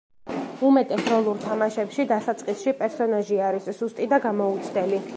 უმეტეს როლურ თამაშებში, დასაწყისში პერსონაჟი არის სუსტი და გამოუცდელი.